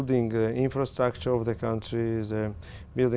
dù chúng ta thực sự có hợp lý đại biểu